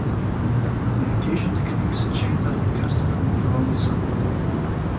Navigation techniques changed as the customer moved around the site.